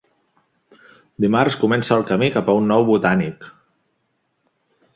Dimarts comença el camí cap a un nou Botànic